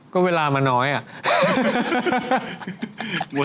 ก็เวลามาน้อยอ่ะ